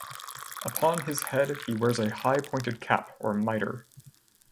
Upon his head he wears a high pointed cap or miter.